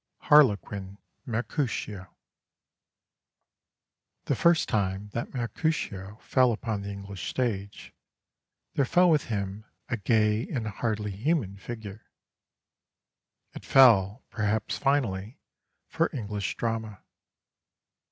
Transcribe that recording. HARLEQUIN MERCUTIO The first time that Mercutio fell upon the English stage, there fell with him a gay and hardly human figure; it fell, perhaps finally, for English drama.